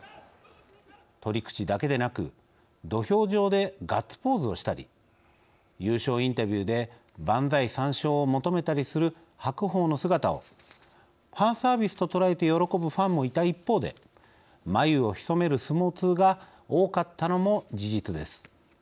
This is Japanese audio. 取り口だけでなく土俵上でガッツポーズをしたり優勝インタビューで万歳三唱を求めたりする白鵬の姿をファンサービスと捉えて喜ぶファンもいた一方で眉をひそめる相撲通が多かったのも事実です。